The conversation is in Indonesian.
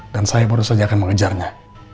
dan saya baru saja akan mengejarnya